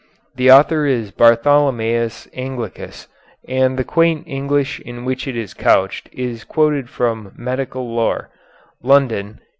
The author is Bartholomæus Anglicus, and the quaint English in which it is couched is quoted from "Medical Lore" (London, 1893).